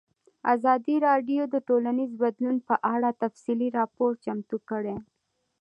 ازادي راډیو د ټولنیز بدلون په اړه تفصیلي راپور چمتو کړی.